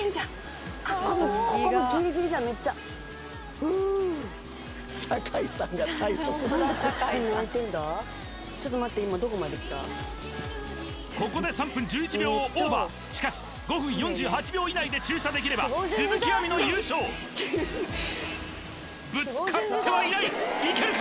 うう酒井さんが最速ホントだここで３分１１秒をオーバーしかし５分４８秒以内で駐車できれば鈴木亜美の優勝ぶつかってはいないいけるか？